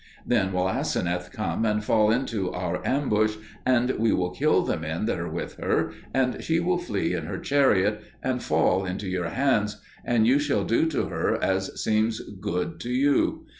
Then will Aseneth come and fall into our ambush, and we will kill the men that are with her, and she will flee in her chariot and fall into your hands, and you shall do to her as seems good to you.